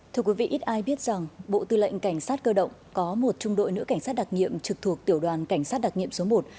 thưa quý vị ít ai biết rằng bộ tư lệnh cảnh sát cơ động có một trung đội nữ cảnh sát đặc nghiệm trực thuộc tiểu đoàn cảnh sát đặc nghiệm số một